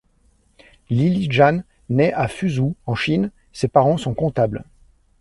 Lily Jan naît à Fuzhou en Chine, ses parents sont comptables.